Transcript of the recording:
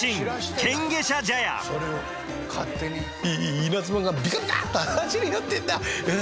「稲妻がビカビカっと走りよってんな。